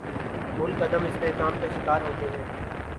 ملک عدم استحکام کا شکار ہوتے ہیں۔